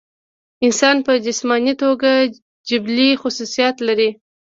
انسان پۀ جسماني توګه جبلي خصوصيات لري